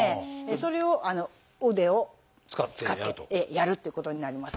それを腕を使ってやるっていうことになります。